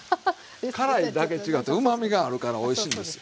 辛いだけ違ってうまみがあるからおいしいんですよ。